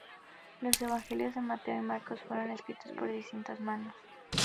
Los evangelios de Mateo y Marcos fueron escritos por distintas manos.